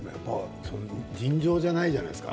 尋常じゃないじゃないですか。